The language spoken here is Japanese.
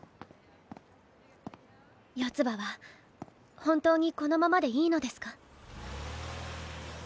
四葉は本当にこのままでいいのですか？